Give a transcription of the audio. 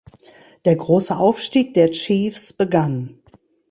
Der große Aufstieg der Chiefs begann.